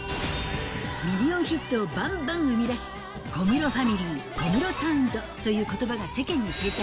ミリオンヒットをばんばん生み出し、小室ファミリー、小室サウンドということばが世間に定着。